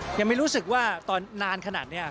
ยังไม่รู้สึกว่าตอนนานขนาดนี้